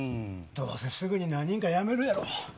どうせすぐに何人かやめるやろ。